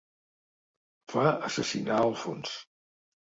Fa assassinar Alfons.